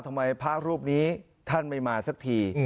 ทำไมพระรูปนี้ท่านไม่มาสักที